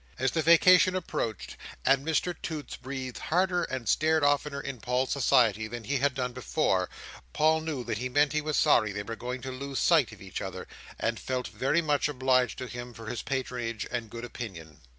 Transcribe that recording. As the vacation approached, and Mr Toots breathed harder and stared oftener in Paul's society, than he had done before, Paul knew that he meant he was sorry they were going to lose sight of each other, and felt very much obliged to him for his patronage and good opinion.